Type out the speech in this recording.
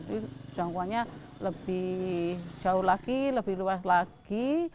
jadi jangkauannya lebih jauh lagi lebih luas lagi